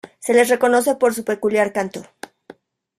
Se les reconoce por su peculiar canto.